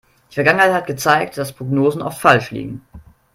Die Vergangenheit hat gezeigt, dass Prognosen oft falsch liegen.